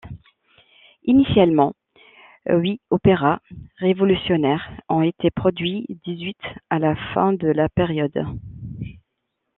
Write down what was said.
Initialement, huit opéras révolutionnaires ont été produits, dix-huit à la fin de la période.